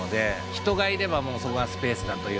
人がいればもうそこがスペースだというか。